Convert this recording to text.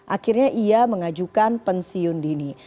akhirnya ia mengajukan pensiun dini